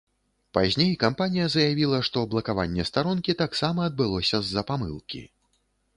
Пазней кампанія заявіла, што блакаванне старонкі таксама адбылося з-за памылкі.